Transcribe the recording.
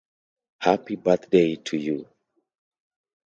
Happy Birthday to You!